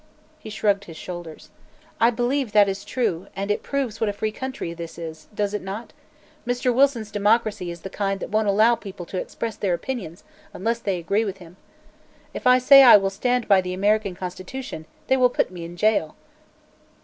He shrugged his shoulders. "I believe that is true, and it proves what a free country this is does it not? Mr. Wilson's democracy is the kind that won't allow people to express their opinions, unless they agree with him. If I say I will stand by the American constitution, they will put me in jail."